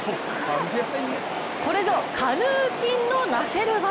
これぞカヌー筋のなせる業。